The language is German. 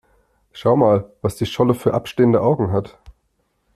Schau mal, was die Scholle für abstehende Augen hat!